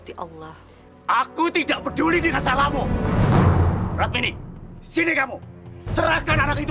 kalau aku masih melihat kamu mengaji di tempatnya yang gengerang